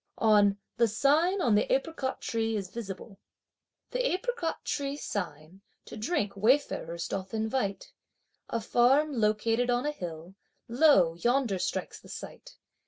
On "the sign on the apricot tree is visible:" The apricot tree sign to drink wayfarers doth invite; A farm located on a hill, lo! yonder strikes the sight!